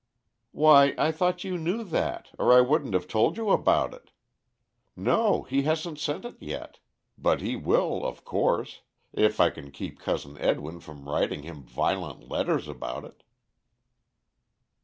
"Why, I thought you knew that, or I wouldn't have told you about it. No, he hasn't sent it yet; but he will, of course, if I can keep Cousin Edwin from writing him violent letters about it."